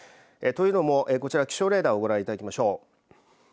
というのも、こちら気象レーダーをご覧いただきましょう。